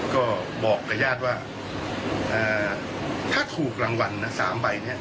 ก็บอกกับญาติว่าถ้าถูกรางวัล๓ใบ